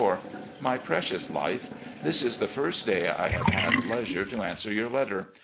"My Precious Life: This is the first day I have had leisiue to answer your letter.